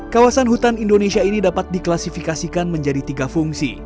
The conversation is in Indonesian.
kawasan hutan indonesia ini dapat diklasifikasikan menjadi tiga fungsi